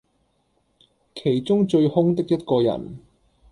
其中最兇的一個人，